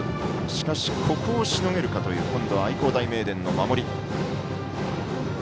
しかし、ここをしのげるかという愛工大名電の守り。